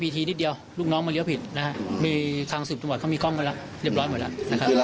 ที่นี้ค่าถามเพิ่มนะคะว่าเอ๊ท่านผู้หญิงนี่อยู่ไหนจริง